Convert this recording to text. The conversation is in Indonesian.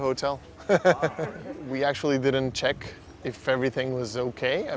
hotelnya sepertinya baik baik saja dan kami hanya menghargainya